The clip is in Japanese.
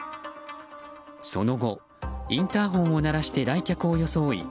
その後、インターホンを鳴らして来客を装い